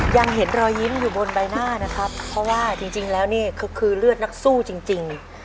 ยังเห็นรอยยิ้มอยู่บนใบหน้านะครับเพราะว่าจริงแล้วนี่คือเลือดนักสู้จริง